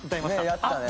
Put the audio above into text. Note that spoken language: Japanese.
やったー！